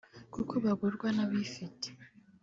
kuko bagurwa n’abifite